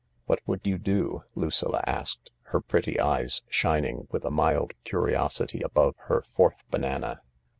" What would you do ?" Lucilla asked, her pretty eye$ shining with a mild curiosity above her fourth banana.